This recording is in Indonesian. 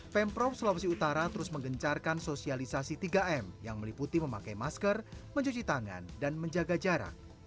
pemprov sulawesi utara terus menggencarkan sosialisasi tiga m yang meliputi memakai masker mencuci tangan dan menjaga jarak